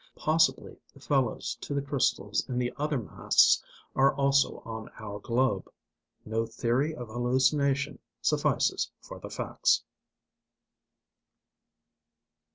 Possibly the fellows to the crystals in the other masts are also on our globe. No theory of hallucination suffices for the facts.